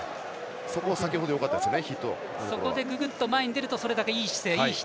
そこはよかったですね。